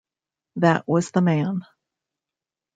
That was the man.